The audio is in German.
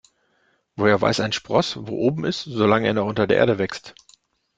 Woher weiß ein Spross, wo oben ist, solange er noch unter der Erde wächst?